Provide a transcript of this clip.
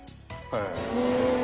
へえ。